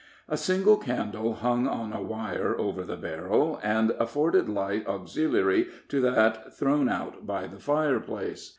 A single candle hung on a wire over the barrel, and afforded light auxiliary to that thrown out by the fireplace.